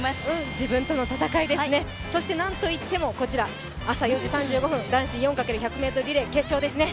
自分との戦いですね、何と言っても朝４時３５分、男子４×１００ｍリレー、決勝ですね。